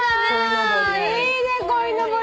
いいねこいのぼり。